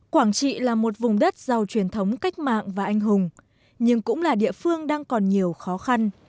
quảng trị là một vùng đất giàu truyền thống cách mạng và anh hùng nhưng cũng là địa phương đang còn nhiều khó khăn